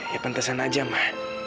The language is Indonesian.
ya pentasan aja ma